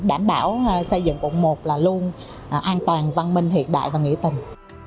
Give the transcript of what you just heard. đảm bảo xây dựng quận một là luôn an toàn văn minh hiện đại và nghĩa tình